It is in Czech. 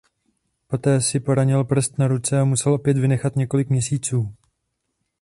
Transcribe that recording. Poté si poranil prst na ruce a musel opět vynechat několik měsíců.